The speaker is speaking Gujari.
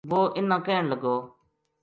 وہ انھ نا کہن لگو